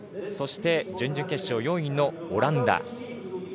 そして準々決勝４位のオランダ。